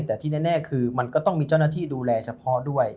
แต่ที่แน่คือมันก็ต้องมีเจ้าหน้าที่ดูแลเฉพาะด้วย